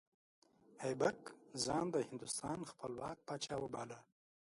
ایبک ځان د هندوستان خپلواک پاچا وباله.